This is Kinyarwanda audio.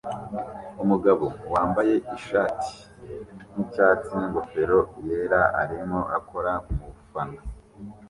Umugabo wambaye ishati yicyatsi ningofero yera arimo akora kumufana